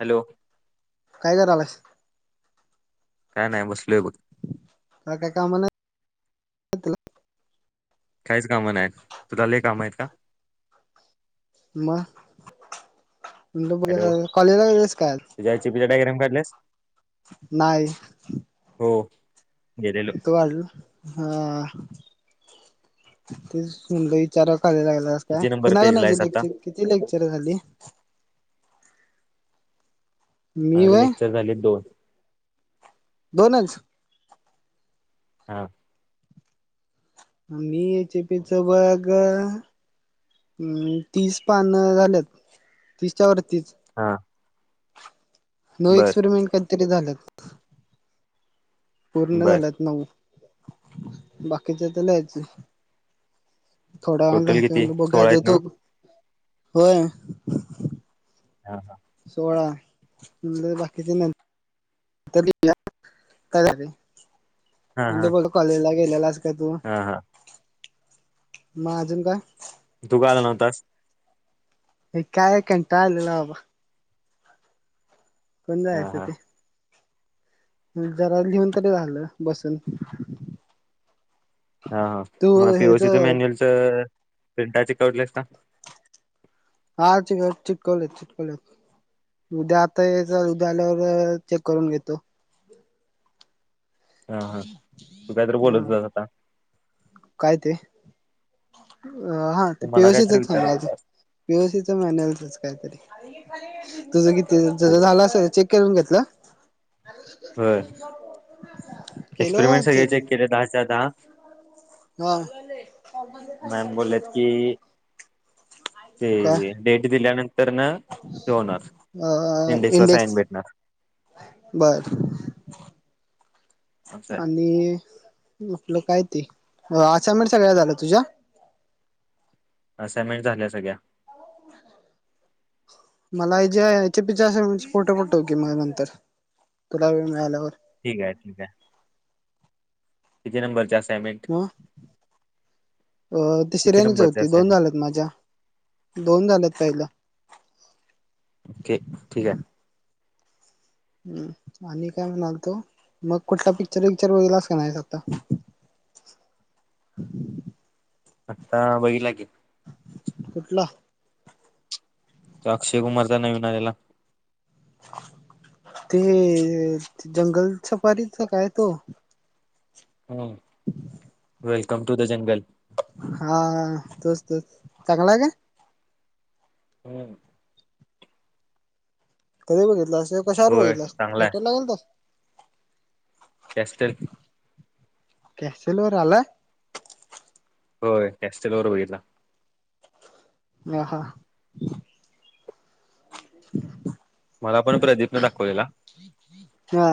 Hello. काय करायलास? काय नाही बसलो बघ. का काय काम नाहीत. काहीच कामं नाहीत तुला ले काम येत का? मग कॉलेजला गेला होतास का आज त जायचे डायग्राम काढल्यास? नाय. हो. गेलेलो किती वाजलं? हा ते सुंद विचारा खाली लागला. काय किती नंबर कुणा पेज ला कुणाची आहेस आता लेक्चर किती लेक्चर झाली. मी आज व्हय लेक्चर झाले दोन दोनंच. हा. मी जी पी च बघ. हम् तीस पान झाल्यात तीसच्या वरतीच हा. नऊ बर एक्सपेरिमेंट काहीतरी झाल्यात. पूर्ण बर झाल्यात नऊ बाकीच्या आता लिहायचं. थोडा व टोटल किती घयच बघ सोळा गाज आहेत ना यतो होय. हा हा. सोळा बाकीच त का आहे. हा हा म्हणजे कॉलेजला गेलेलास का तू हा हा मग अजून काय? तू ग आला नव्हतास. एक काय कटा आलेला बाबा कोण हा जायचं हा ते जरा लिऊन तरी झालं बसून हा हा तू मग पी हेच ओसीच मॅन्युअल च प्रिंटाचे कडलेस का? हा चिटकवले चिटकले उद्या आता याचा उद्या आल्यावर चेक करून घेतो. हा हा तू काहीत हा बोलत बस आता काय ते अ हा तू ते मला काहीतरी पेवशीचच विचारत सग होतास पीसी मॅन कायतरी तुझं किती ज ठीक आहे झालं अस चेक करून घेतलं होय केल चेक क द द. हा. मॅम बोलल्यात की ते काय डेट दिल्यानंतर ना ते होणार इंडेक्स ला साईन भेटणार. बर असं आणि आपलं काय ते असाइनमेट सगळ्या झालं तुझ्या समिट झाल्या सगळ्या मला जे याच्या पी अस फोटो पडतो की म नंतर तुला वेळ मिळाल्यावर ठीक आहे ठीक आहे तिती नंबरचे असत. ह अ तिश किती रेणी नंबरचे चौतीी दोन असाइनमेंट झालेत माझ्या दोन झालेत पहिलं. ओके ठीक आहे. ह आणि काय म्हणाल तो मग कुठला पिक्चर वििक्चर वघलास का नाही आता आता बघ लागेल कुठला? अक्षय कुमारचा नवीन आलेला ते जंगल सफारीच काय तो हम्म. Welcome to the jungle. हा तोच त चांगला आहे का? हम. कधी बघितलं अस कशावर बघितला चांगला आहे थेटर लागेल तर टस्टल. कशोर आला. होय टस्टल बर बघितला. ह हा. ह. मला पण प्रदीपने दाखवलेला हा.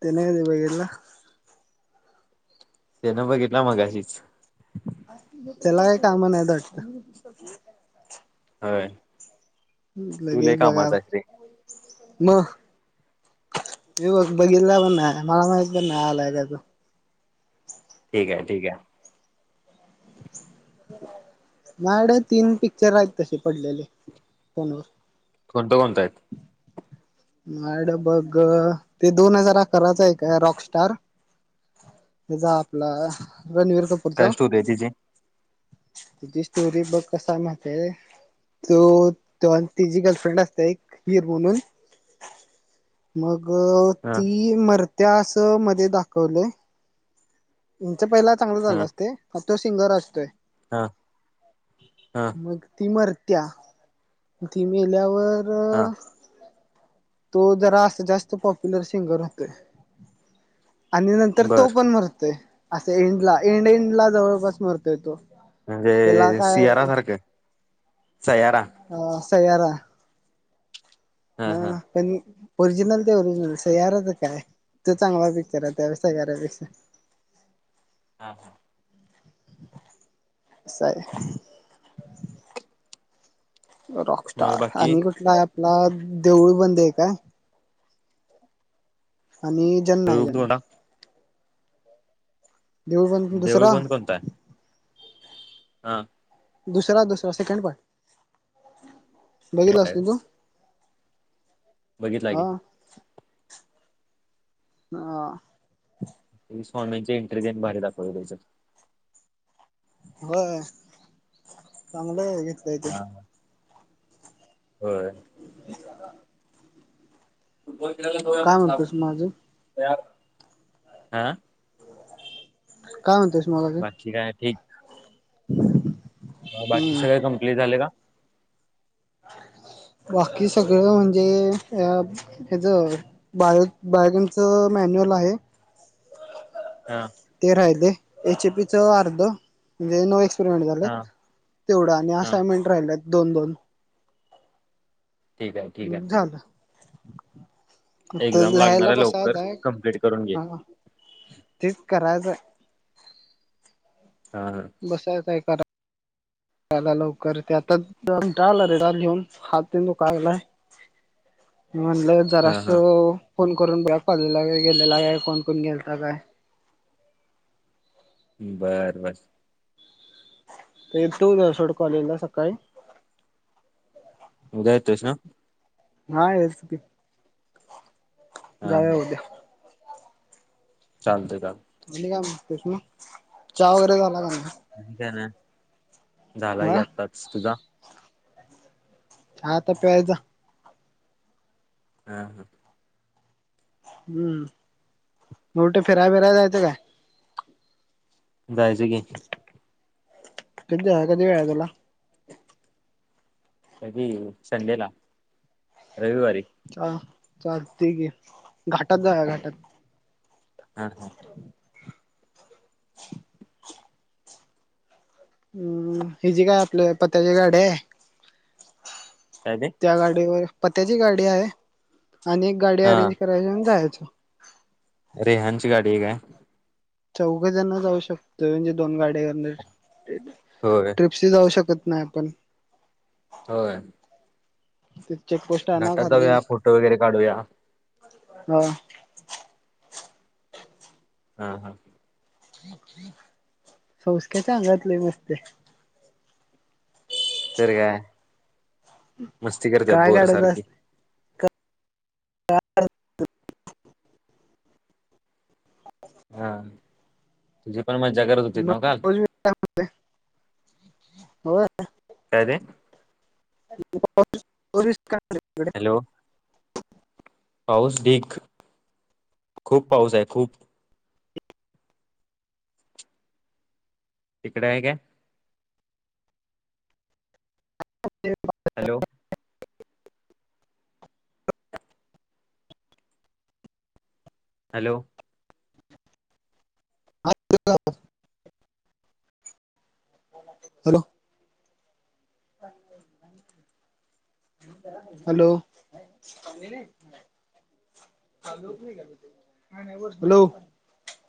तना बघला ते न बग केटला मगाशीच त्याला काही कामा नाही द वाटत. का? हय. लगेच बघा रे म हे बघ बघितला पण नाही मला माहित पण नाही आलाय काच ठीक आहे ठीक आहे. मड तीन पिक्चर आहेत तसे पडलेले फोनवर कोणत कोणताय? मड बघ ते दोन हजार अकराच आहे काय रॉकस्टार हे जा आपला रणवीर काय कपूरचा स्टोरी आहे तिची तुझी स्टोरी बघ कसा म्हते. तो तची गर्लफ्रेंड असते एक हिर म्हणून मग हा ती मर इतिहास मध्ये दाखवले यांच पहिला चांगलं झालं असते. हा तो सिंगर असतोय हा हा मग ती मर त्या तीमेल्यावर हां. तो जरा असं जास्त पॉप्युलर सिंगर होतोय. आणि नंतर बर तो पण मरतोय असं एंडला एंड एंड ला जवळपास मरतोय तो त्याला म्हणजे काय सियारा सारखं सयाराा ह स यारा हा पण ओरिजिनल ते ओरिजिनल स याराच काय तो चांगला पिक्चर आहे त्या स यारापेक्षा हां हां. स आहे. मग रॉकस्टार बाकी आणि कुठला आहे आपला देऊळ बंद आहे काय? आणि जेन्ना ज देऊळबंद देऊ पण त दुसरा देऊळबंद हां. दुसरा दुसरा सेकंड पार्ट बघित असतो तू बघितलागेल. हा ह. स्वामींची इंटर देन बाहेर दाखवून दयचं. होय चांगलं आहे घेतलंयथ हो. [unintelligible] फुटबॉल खेळाला काय म्हणतोस मग अजून तण ह. काय म्हणतेयस मला ते ठीकय आहे ठीक. हम्. बाकी सगळे कं्प्लीट झाले का? बाकी सगळं म्हणजे ह ज बायो बायोगनच मॅन्युअल आहे. हा. ते राहिले एच एपी च अर्ध म्हणजे नो एक्स झा हा तेवढं आणि हा असायनमेंट राहि दोन दोन ठीक आहे ठीक आहे ना. झालं तर एक्झाम लागणार लिहायला आहे लवकर बसायचं आहे कंप्लीट करून घे. हा तेच करायचं. ह. बसायचय करा. त्याला लवकर ते आता डाल रे डाल घेऊन हात तो कायलाय? मी म्हणलं हा जरास हा फोन करून बघ्या पाहिलेला गेलेला काय कोण कोण गेलता काय? बरं बर. तर तू सोड कॉलेला सकाळी उदा्या येतोस ना. हा येच की हा जाव उद्या चालत चालत. म्ह का मस म चहा वगैरे झाला का नाही. काय ना झाला की हा आत्ताच तुझा हता प्यायज हा हा. हम्म मोठे फिराय फिरायला जायचं काय? जायच घी. कध्या आहे कधी वळयला कधी संडेला रविवारी ह चाल तेठी आहे घाटात जा घाटात हा हा. हम्म हि जी काय आपल्या पत्याची गाड आहे. अदी त्या गाडीवर पत्याची गाडी आहे आणि एक गाडी हा अरेंज करायची जायचं. अरे हंच गाड हग चौघजण जाऊ शकतोय म्हणजे दोन गाड्या हो. ट्रिपशी जाऊ शकत नाही आपण होय. [unintelligible] घाटात जाऊया फोटो वगैरे काढूया. हो. हा हा. संस्क्याच्या अंगातले मस्त तर काय मस्ती करतात काय बोर काढत सारखी असते हा तुझी पण मज्जा करत होती नव का? [inaudible] हो काय रे [inaudible] हॅलो पाऊस ढीग खूप पाऊस आहे खूप तिकडे आहे काय [inaudible] hello hello [inaudible] hello [inaudible] hello hello